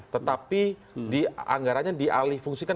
tetapi anggaranya dialih fungsikan